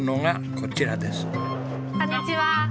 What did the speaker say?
こんにちは。